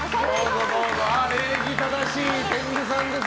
礼儀正しい天狗さんです。